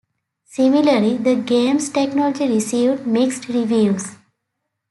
Similarly, the game's technology received mixed reviews.